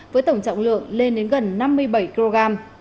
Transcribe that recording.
với tổng trọng lượng lên đến gần năm mươi bảy kg